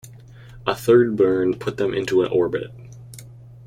A third burn put them into a orbit.